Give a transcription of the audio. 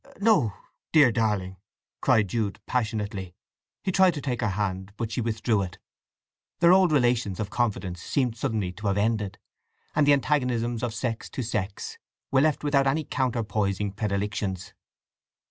"No, dear darling!" cried Jude passionately. He tried to take her hand, but she withdrew it. Their old relations of confidence seemed suddenly to have ended, and the antagonisms of sex to sex were left without any counter poising predilections.